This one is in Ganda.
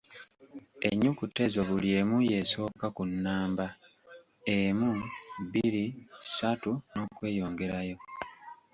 Ennyukuta ezo buli emu y’esooka ku nnamba, emu, bbiri, ssatu, n’okweyongerayo.